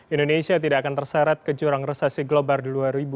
indonesia tidak akan terserat ke jurang resesi global di dua ribu dua puluh tiga